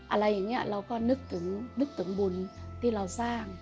อะไรอย่างนี้เราก็นึกถึงนึกถึงบุญที่เราสร้าง